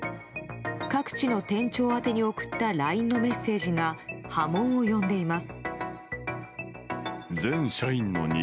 各地の店長宛てに送ったＬＩＮＥのメッセージが波紋を呼んでいます。